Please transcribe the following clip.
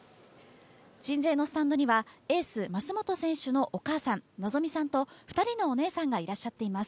鎮西のスタンドにはエース・舛本選手のお母さん望さんと２人のお姉さんがいらっしゃっています。